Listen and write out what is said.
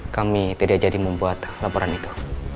kami tidak jadi membuat laporan itu